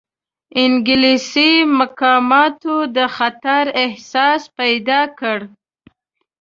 انګلیسي مقاماتو د خطر احساس پیدا کړ.